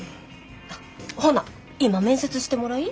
ほな今面接してもらい。